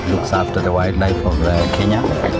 của bộ phòng chống dịch kenya